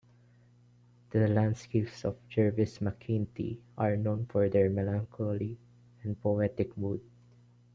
The landscapes of Jervis McEntee are known for their melancholy and poetic mood.